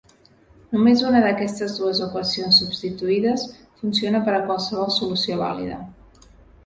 Només una d'aquestes dues equacions substituïdes funciona per a qualsevol solució vàlida.